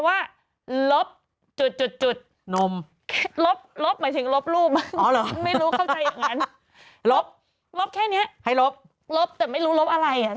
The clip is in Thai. น่าทังอย่างไร